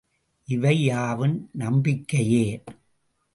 இவை யாவும் நம்பிக்கையே.